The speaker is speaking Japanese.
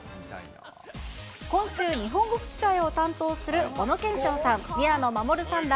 今週、日本語吹き替えを担当する小野賢章さん、宮野真守さんら